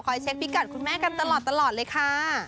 เช็คพิกัดคุณแม่กันตลอดเลยค่ะ